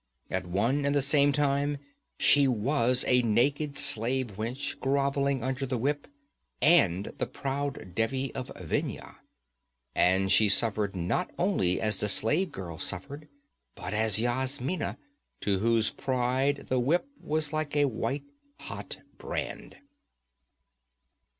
At one and the same time she was a naked slave wench groveling under the whip, and the proud Devi of Vendhya. And she suffered not only as the slave girl suffered, but as Yasmina, to whose pride the whip was like a white hot brand.